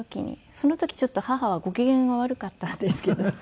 その時ちょっと母はご機嫌が悪かったんですけど。